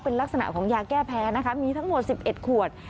เป็นลักษณะของยาแก้แพ้นะคะมีทั้งหมด๑๑ขวด